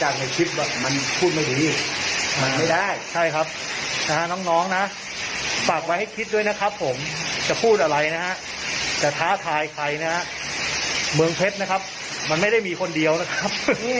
ก็ฝากไว้ให้คิดด้วยนะครับผมจะพูดอะไรนะฮะจะท้าทายปลายนะเมืองเพชรนะครับมันไม่ได้มีคนเดียวนะครับ